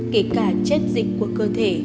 kể cả chết dịch của cơ thể